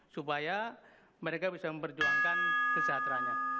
supaya mereka bisa memperjuangkan kesejahteranya